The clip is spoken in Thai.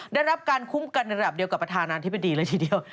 ได้รับการคุ้มกันระดับเดียวกับประธานาธิบดีเลยทีเดียว